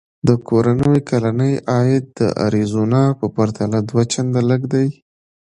د کورنیو کلنی عاید د اریزونا په پرتله دوه چنده لږ دی.